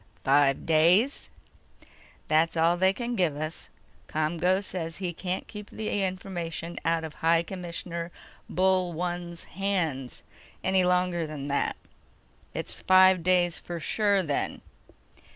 "Five days?" "That's all they can give us. ComGO says he can't keep the information out of High Commissioner Bullone's hands any longer than that." "It's five days for sure then."